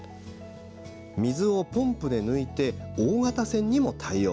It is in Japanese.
水をポンプで抜いて大型船にも対応。